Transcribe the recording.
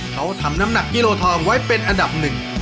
เขาทำน้ำหนักกิโลทองไว้เป็นอันดับหนึ่ง